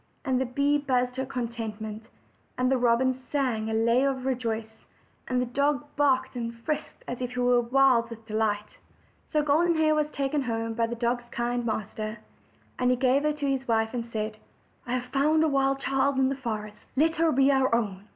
And the bee buzzed her contentment; and the robin OLD, OLD FAIRY TALES. 225 sang a lay of rejoicing, and the dog barked and frisked as if he were wild with delight. So Golden Hair was taken home by the dog's kind master. And he gave her to his wife, and said: "I have found a wild child in the forest; let her be our own."